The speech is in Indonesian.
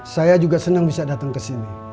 saya juga seneng bisa datang kesini